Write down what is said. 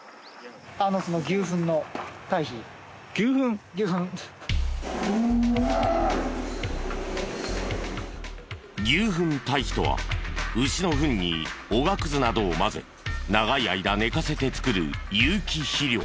牛ふん堆肥とは牛のふんにおがくずなどを混ぜ長い間寝かせて作る有機肥料。